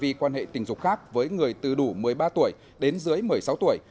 vì quan hệ tình dục khác với người từ đủ một mươi ba tuổi đến dưới một mươi sáu tuổi